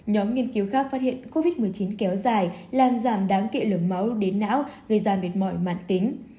nhóm nghiên cứu khác phát hiện covid một mươi chín kéo dài làm giảm đáng kịa lửa máu đến não gây ra mệt mỏi mạn tính